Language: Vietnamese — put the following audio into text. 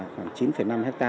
khoảng chín năm hectare